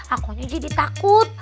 akunya jadi takut